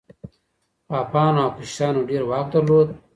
پاپانو او کشیشانو ډېر واک درلود.